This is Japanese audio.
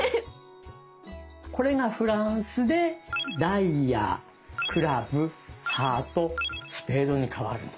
これがフランスでダイヤクラブハートスペードに変わるの。